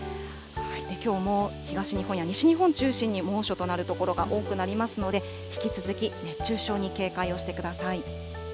きょうも東日本や西日本中心に、猛暑となる所が多くなりますので、引き続き熱中症に警戒をしてください。